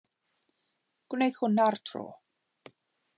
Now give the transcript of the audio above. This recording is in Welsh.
Gwneith hwnna'r tro.